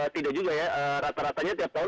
tidak juga ya rata ratanya tiap tahun